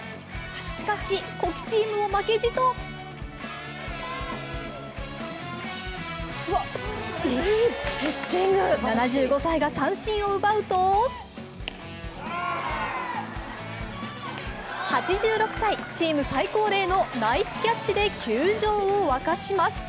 しかし、古希チームも負けじと７５歳が三振を奪うと８６歳・チーム最高齢のナイスキャッチで球場を沸かします。